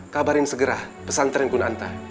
kabarin segera pesantren kuna anta